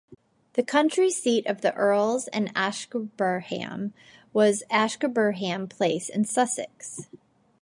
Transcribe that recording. The country seat of the Earls of Ashburnham was Ashburnham Place in Sussex.